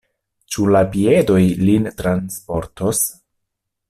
Ĉu la piedoj lin transportos?